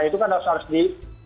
itu kan harus di